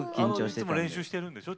いつも練習してるんでしょ？